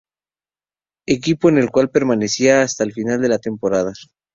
Equipo en el cual permanecería hasta final de temporada.